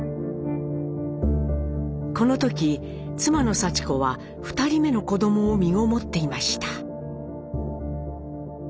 この時妻のさち子は２人目の子どもをみごもっていました。